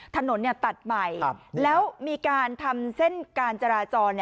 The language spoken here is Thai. ถนนตัดใหม่แล้วมีการทำเส้นการจราจร